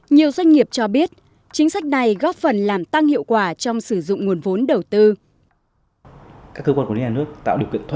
nhiều doanh nghiệp cho biết chính sách này góp phần làm tăng hiệu quả trong sử dụng nguồn vốn đầu tư